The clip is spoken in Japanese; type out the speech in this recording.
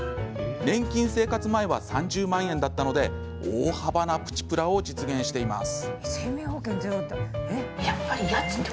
年金生活前は３０万円だったので大幅なプチプラを実現しています。